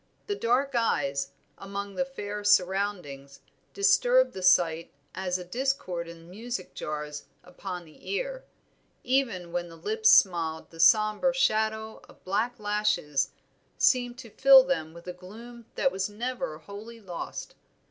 The dark eyes, among their fair surroundings, disturbed the sight as a discord in music jars upon the ear; even when the lips smiled the sombre shadow of black lashes seemed to fill them with a gloom that was never wholly lost.